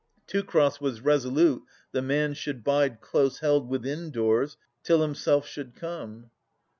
Teucer was resolute the man should bide Close held within doors till himself should come.